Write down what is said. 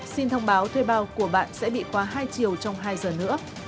xin thông báo thuê bao của bạn sẽ bị quá hai chiều trong hai giờ nữa